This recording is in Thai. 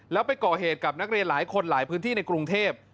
แล้วไปก่อเหตุกับนักเรียนหลายคนหลายพื้นที่ในกรุงเทพ